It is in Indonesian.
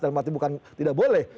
dalam arti bukan tidak boleh